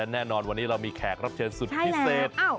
แน่นอนวันนี้เรามีแขกรับเชิญสุดพิเศษ